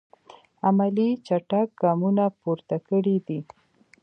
عملي چټک ګامونه پورته کړی دي.